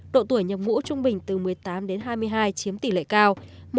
độ tuổi nhập ngũ trung bình từ một mươi tám đến hai mươi hai chiếm tỷ lệ cao